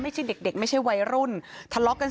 ไม่ใช่เด็กไม่ใช่วัยรุ่นทะเลาะกัน